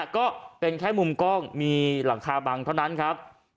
ก็เป็นแค่มุมกล้องมีหลังคาบังเท่านั้นครับ